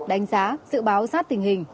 đánh giá dự báo sát tình hình